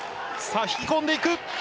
引き込んでいく。